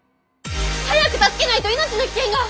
早く助けないと命の危険が！